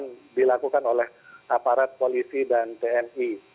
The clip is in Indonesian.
yang dilakukan oleh aparat polisi dan tni